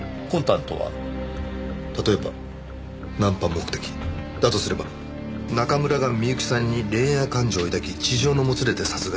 例えばナンパ目的だとすれば中村が美由紀さんに恋愛感情を抱き痴情のもつれで殺害。